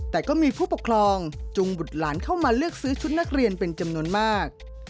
แต่ก็มีผู้ปกครองจุงบุตรหลานเข้ามาเลือกซื้อชุดนักเรียนเป็นจำนวนมาก